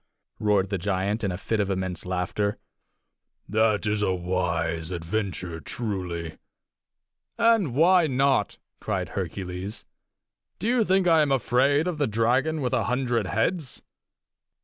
roared the giant, in a fit of immense laughter. "That is a wise adventure, truly!" "And why not?" cried Hercules. "Do you think I am afraid of the dragon with a hundred heads?"